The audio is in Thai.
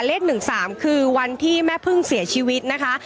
เลข๑๓คือวันที่แม่พึ่งเสียชีวิตนะคะ